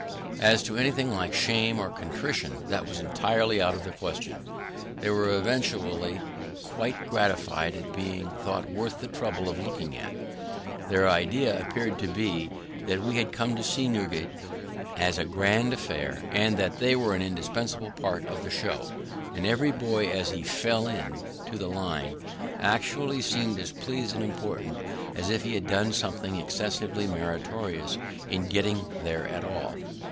As to anything like shame or contrition, that was entirely out of the question. They were evidently quite gratified at being thought worth the trouble of looking at; their idea appeared to be, that we had come to see Newgate as a grand affair, and that they were an indispensable part of the show; and every boy as he 'fell in' to the line, actually seemed as pleased and important as if he had done something excessively meritorious in getting there at all.